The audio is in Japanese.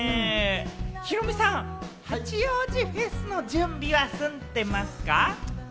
ヒロミさん、八王子フェスの準備は進んでますか？